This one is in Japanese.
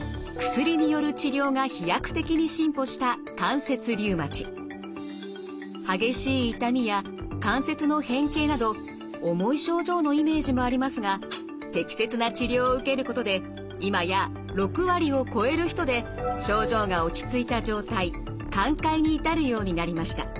薬による治療が飛躍的に進歩した激しい痛みや関節の変形など重い症状のイメージもありますが適切な治療を受けることで今や６割を超える人で症状が落ち着いた状態寛解に至るようになりました。